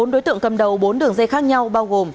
bốn đối tượng cầm đầu bốn đường dây khác nhau bao gồm